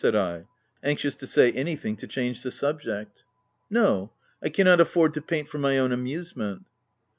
said I, anxious to say anything to change the subject. "No; I cannot afford to paint for my own amusement."